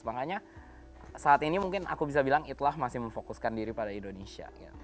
makanya saat ini mungkin aku bisa bilang itlah masih memfokuskan diri pada indonesia